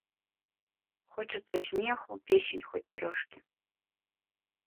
Хочацца смеху, песень хоць трошкі.